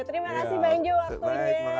terima kasih bang jo waktunya